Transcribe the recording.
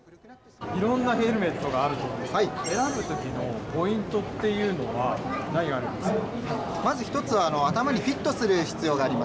いろんなヘルメットがあると思いますが、選ぶときのポイントっていうのは何があるんですか？